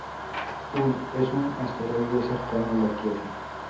Ul es un asteroide cercano a la Tierra.